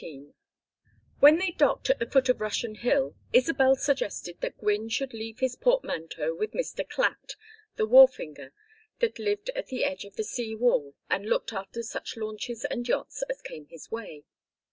XIX When they docked at the foot of Russian Hill, Isabel suggested that Gwynne should leave his portmanteau with Mr. Clatt, the wharfinger that lived at the edge of the sea wall and looked after such launches and yachts as came his way.